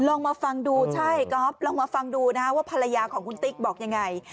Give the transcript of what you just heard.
ลองมาฟังดูใช่ก๊อฟลองมาฟังดูนะฮะว่าภรรยาของคุณติ๊กบอกยังไง